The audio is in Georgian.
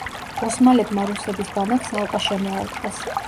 ოსმალებმა რუსების ბანაკს ალყა შემოარტყეს.